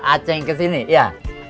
acing kesini ya